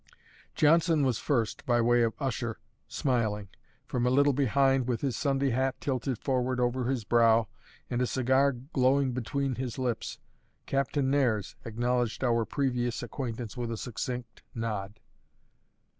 Johnson was first, by way of usher, smiling. From a little behind, with his Sunday hat tilted forward over his brow, and a cigar glowing between his lips, Captain Nares acknowledged our previous acquaintance with a succinct nod.